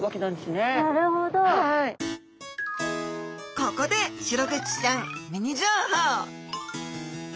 ここでシログチちゃんミニ情報！